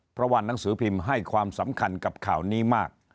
เพราะว่านังสือพิมพ์ให้ความสำคัญกับข่าวนี้มาก